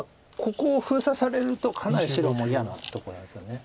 ここを封鎖されるとかなり白も嫌なとこなんですよね。